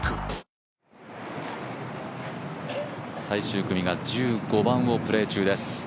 最終組が１５番をプレー中です。